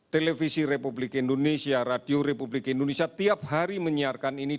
televisi republik indonesia radio republik indonesia tiap hari menyiarkan ini